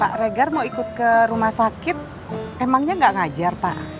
pak regar mau ikut ke rumah sakit emangnya nggak ngajar pak